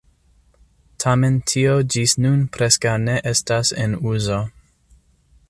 Tamen tio ĝis nun preskaŭ ne estas en uzo.